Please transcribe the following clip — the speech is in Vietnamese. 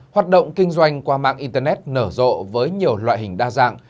hoạt động kinh doanh qua mạng internet nở rộ với nhiều loại hình đa dạng